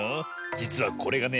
じつはこれがね